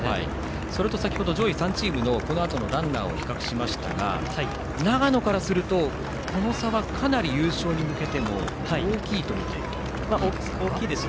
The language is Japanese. それと上位３チームのこのあとのランナーを比較しましたが、長野からするとこの差は、かなり優勝に向けても大きいとみていいですか？